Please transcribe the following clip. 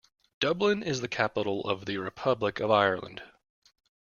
Dublin is the capital of the Republic of Ireland.